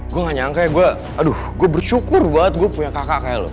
gue gak nyangka ya gue aduh gue bersyukur banget gue punya kakak kayak lo